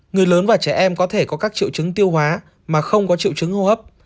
người lớn và trẻ em có thể có các triệu chứng tiêu hóa mà không có triệu chứng hô hấp